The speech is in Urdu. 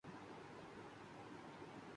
امجد کی کتاب چوری ہو گئی۔